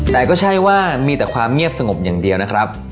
แต่ก็ใช่ว่ามีแต่ความเงียบสงบอย่างเดียวนะครับ